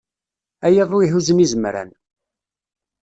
A yaḍu ihuzzen izemran.